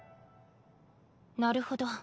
なるほど。